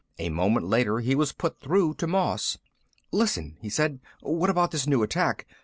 A moment later he was put through to Moss. "Listen," he said. "What about this new attack?